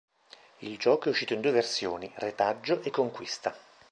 Il gioco è uscito in due versioni: Retaggio e Conquista.